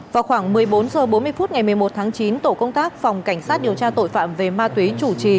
vào khoảng một mươi bốn h bốn mươi phút ngày một mươi một tháng chín tổ công tác phòng cảnh sát điều tra tội phạm về ma túy chủ trì